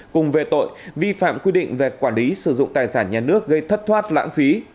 cùng về tội vi phạm quy định về quản lý sử dụng tài sản nhà nước gây thất thoát lãng phí